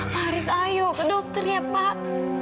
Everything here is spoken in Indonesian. haris ayo ke dokter ya pak